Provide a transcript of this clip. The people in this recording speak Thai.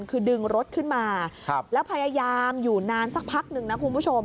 คือดึงรถขึ้นมาแล้วพยายามอยู่นานสักพักหนึ่งนะคุณผู้ชม